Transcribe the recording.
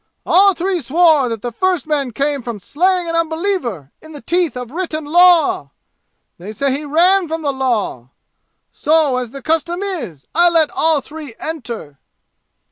All three swore that the first man came from slaying an unbeliever in the teeth of written law. They said he ran from the law. So, as the custom is, I let all three enter!"